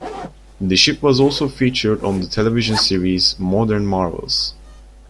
The ship was also featured on the television series Modern Marvels.